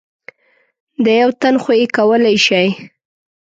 د یو تن خو یې کولای شئ .